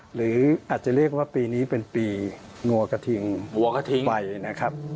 หรืออาจจะเรียกว่าปีนี้เป็นปีวัวกระทิงวัวกระทิงไปนะครับ